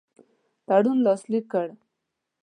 تړون لاسلیک کړ.